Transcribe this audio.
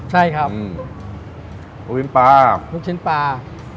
ใช่ครับนุ่มชิ้นปลานุ่มชิ้นปลา